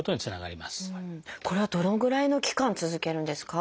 これはどのぐらいの期間続けるんですか？